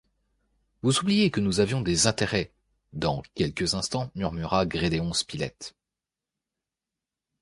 Vous oubliez que nous avions intérêt « Dans quelques instants, murmura Gédéon Spilett…